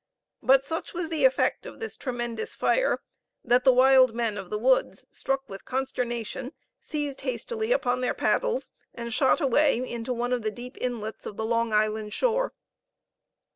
But such was the effect of this tremendous fire, that the wild men of the woods, struck with consternation, seized hastily upon their paddles, and shot away into one of the deep inlets of the Long Island shore.